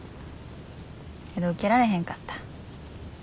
けど受けられへんかった。